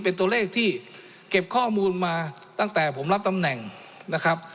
เป็นตัวเลขที่เก็บข้อมูลมาตั้งแต่ผมรับตำแหน่งนะครับ